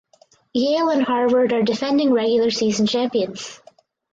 Yale and Harvard are defending regular season champions.